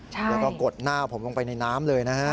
แล้วก็กดหน้าผมลงไปในน้ำเลยนะฮะ